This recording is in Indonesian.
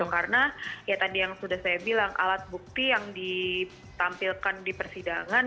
karena ya tadi yang sudah saya bilang alat bukti yang ditampilkan di persidangan